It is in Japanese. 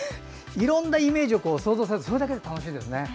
いろんなイメージを想像してそれだけで楽しいですね。